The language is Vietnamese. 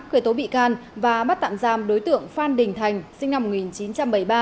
khởi tố bị can và bắt tạm giam đối tượng phan đình thành sinh năm một nghìn chín trăm bảy mươi ba